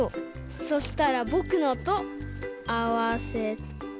そしたらぼくのとあわせて。